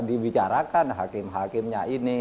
dibicarakan hakim hakimnya ini